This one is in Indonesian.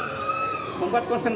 untuk memenuhi protokol kesehatan